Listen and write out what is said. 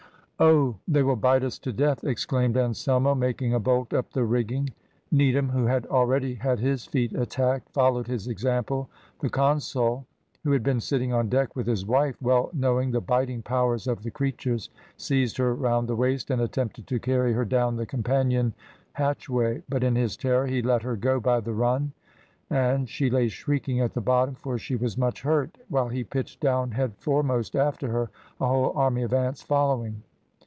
"`Oh! they will bite us to death,' exclaimed Anselmo, making a bolt up the rigging. Needham, who had already had his feet attacked, followed his example; the consul, who had been sitting on deck with his wife, well knowing the biting powers of the creatures, seized her round the waist and attempted to carry her down the companion hatchway, but in his terror he let her go by the run, and she lay shrieking at the bottom, for she was much hurt, while he pitched down headforemost after her, a whole army of ants following.